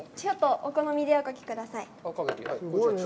お好みでおかけください。